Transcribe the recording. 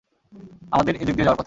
আমাদের এদিক দিয়ে যাওয়ার কথা।